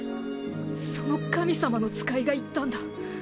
その神様の使いが言ったんだ。